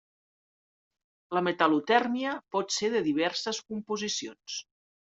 La metal·lotèrmia pot ser de diverses composicions.